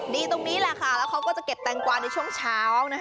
ตรงนี้แหละค่ะแล้วเขาก็จะเก็บแตงกวาในช่วงเช้านะคะ